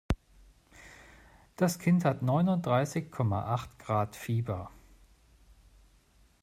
Das Kind hat Neunundreißig Komma Acht Grad Fieber.